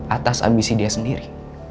atas ambisi dia sendiri